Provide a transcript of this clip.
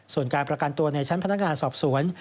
ส่วนการประกันตัวในชั้นพนักงานสอบสวน